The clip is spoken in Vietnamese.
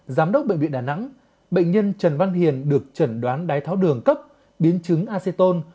giám đốc bệnh viện đà nẵng bệnh nhân trần văn hiền được trần đoán đáy thấu đường cấp biến chứng acetone